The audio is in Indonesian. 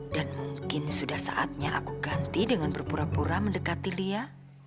dan mungkin sudah saatnya aku ganti dengan berpura pura mendekati lia